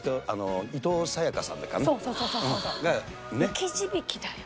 生き字引だよ。